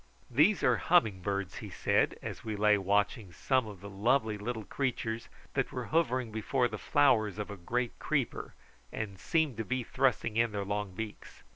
"These are humming birds," he said, as we lay watching some of the lovely little creatures that were hovering before the flowers of a great creeper, and seemed to be thrusting in their long beaks.